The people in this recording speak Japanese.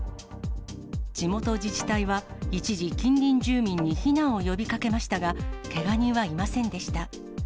地元自治体は、一時、近隣住民に避難を呼びかけましたが、けが人はいませんでした。